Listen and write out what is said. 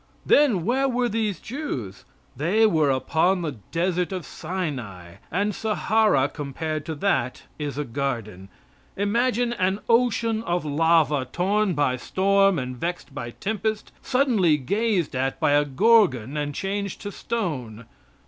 Then where were these Jews? They were upon the desert of Sinai; and Sahara compared to that is a garden. Imagine an ocean of lava, torn by storm and vexed by tempest, suddenly gazed at by a Gorgon and changed to stone.